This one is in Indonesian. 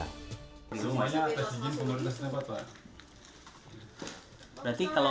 dan pak cawas sudah kebun terbang itu kita juga bisa ambil tindakan lain